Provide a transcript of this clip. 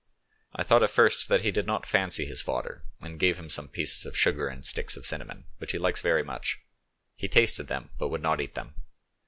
I thought at first that he did not fancy his fodder, and gave him some pieces of sugar and sticks of cinnamon, which he likes very much; he tasted them, but would not eat them.